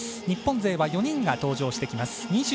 日本勢は４人が登場してきます。